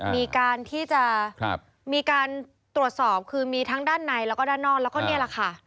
มีการที่จะมีการตรวจสอบคือมีทั้งด้านในแล้วก็ด้านนอกแล้วก็นี่แหละค่ะ